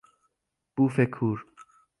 بوف کور